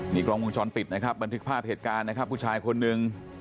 กล้องวงจรปิดนะครับบันทึกภาพเหตุการณ์นะครับผู้ชายคนหนึ่ง